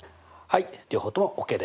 はい！